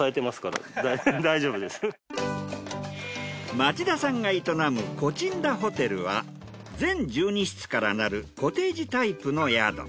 町田さんが営むコチンダホテルは全１２室からなるコテージタイプの宿。